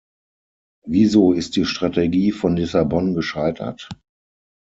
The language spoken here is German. Wieso ist die Strategie von Lissabon gescheitert?